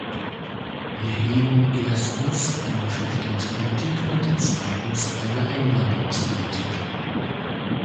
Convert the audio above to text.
Wir heben erstens eine Flüchtlingspolitik und zweitens eine Einwanderungspolitik.